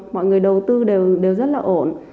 mọi người đầu tư đều rất là ổn